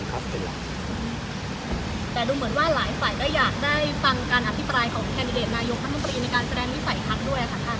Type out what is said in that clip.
มีการแสดงวิสัยทักษ์ด้วยหรือเปล่า